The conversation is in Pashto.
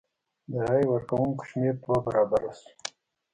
د رای ورکوونکو شمېر دوه برابره شو.